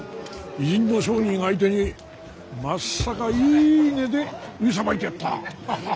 異人の商人相手にまっさかいい値で売りさばいてやった。